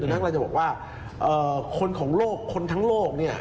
ดังนั้นเราจะบอกว่าคนของโลกคนทั้งโลกเนี่ย